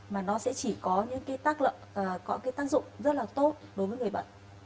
mà nó sẽ chỉ có những tác dụng rất là tốt đối với người bệnh